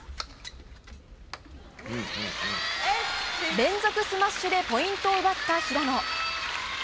連続スマッシュでポイントを奪った平野。